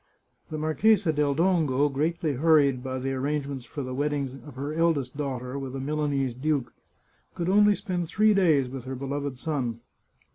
The Marchesa del Dongo, greatly hurried by the ar rangements for the wedding of her eldest daughter with a Milanese duke, could only spend three days with her be loved son.